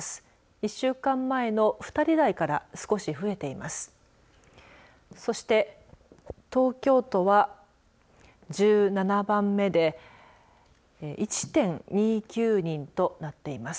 １週間前の２人台から少し増えています。